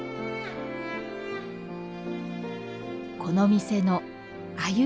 この店の鮎